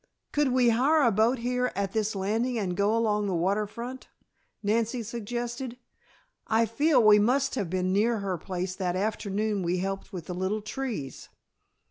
"Could we hire a boat here at this landing and go along the water front?" Nancy suggested. "I feel we must have been near her place that afternoon we helped with the little trees."